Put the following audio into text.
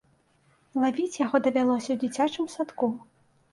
Лавіць яго давялося ў дзіцячым садку.